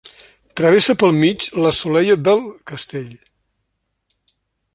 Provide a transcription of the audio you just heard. Travessa pel mig la Solella del Castell.